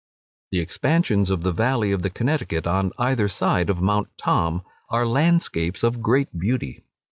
The expansions of the Valley of the Connecticut on either side of Mount Tom, are landscapes of great beauty.